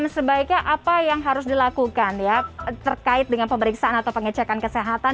sebaiknya apa yang harus dilakukan ya terkait dengan pemeriksaan atau pengecekan kesehatan